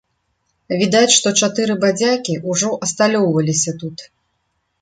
Відаць, што чатыры бадзякі ўжо асталёўваліся тут.